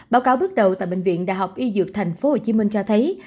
báo cáo bước đầu tại bệnh viện đại học y dược tp hcm cho thấy